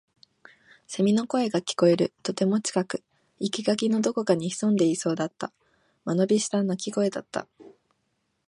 蝉の声が聞こえる。とても近く。生垣のどこかに潜んでいそうだった。間延びした鳴き声だった。